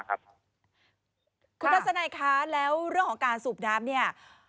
คุณท่านดังหน่อยแล้วเรื่องของการสูบน้ำ